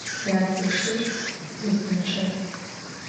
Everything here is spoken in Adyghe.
Syateşır vuzınççe.